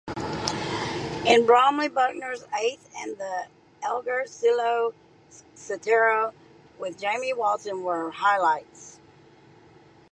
In Bromley, Bruckner's Eighth and the Elgar Cello Concerto with Jamie Walton were highlights.